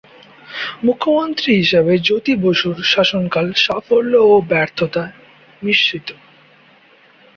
মুখ্যমন্ত্রী হিসেবে জ্যোতি বসুর শাসনকাল সাফল্য ও ব্যর্থতায় মিশ্রিত।